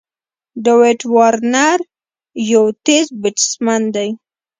داويد وارنر یو تېز بېټسمېن دئ.